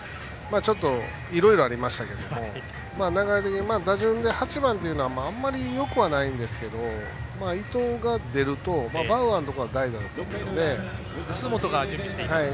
いろいろ、ありましたけども打順で、８番というのはあまりよくないんですけど伊藤が出るとバウアーのところは楠本が準備しています。